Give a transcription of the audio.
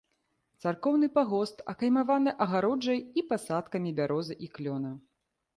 Царкоўны пагост акаймаваны агароджай і пасадкамі бярозы і клёна.